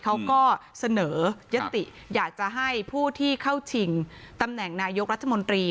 เขาก็เสนอยติอยากจะให้ผู้ที่เข้าชิงตำแหน่งนายกรัฐมนตรี